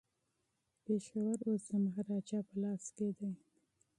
پېښور اوس د مهاراجا په لاس کي دی.